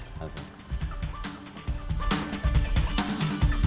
jangan lupa like share dan subscribe channel ini